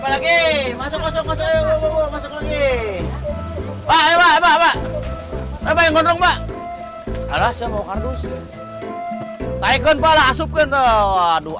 lagi masuk masuk masuk lagi pak